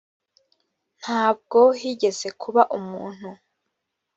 ntabwo higeze kuba umuntu